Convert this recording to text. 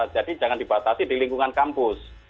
jadi jangan dibatasi di lingkungan kampus